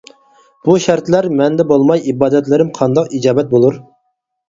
بۇ شەرتلەر مەندە بولماي، ئىبادەتلىرىم قانداق ئىجابەت بولۇر؟ !